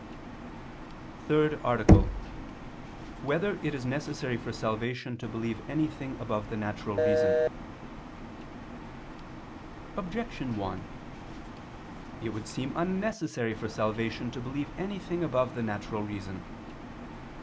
_______________________ THIRD ARTICLE [II II, Q. 2, Art. 3] Whether It Is Necessary for Salvation to Believe Anything Above the Natural Reason? Objection 1: It would seem unnecessary for salvation to believe anything above the natural reason.